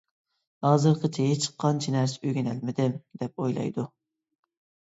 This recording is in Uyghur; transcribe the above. «ھازىرغىچە ھېچ قانچە نەرسە ئۆگىنەلمىدىم» ، دەپ ئويلايدۇ.